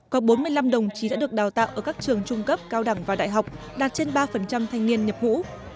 có bốn mươi năm đồng chí đã được đào tạo ở các trường trung cấp cao đẳng và đại học đạt trên ba thanh niên nhập ngũ